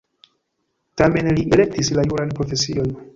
Tamen li elektis la juran profesion.